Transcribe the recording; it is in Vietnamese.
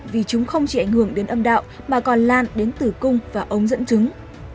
vì chúng không chỉ ảnh hưởng đến âm đạo mà còn lan đến tử cung và ống dẫn chứng